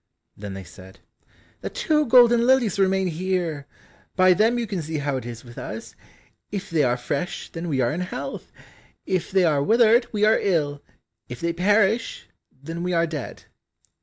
Then they said, "The two golden lilies remain here. By them you can see how it is with us; if they are fresh, then we are in health; if they are withered, we are ill; if they perish, then we are dead."